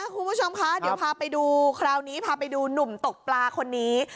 คุณผู้ชมคะเดี๋ยวพาไปดูคราวนี้พาไปดูหนุ่มตกปลาคนนี้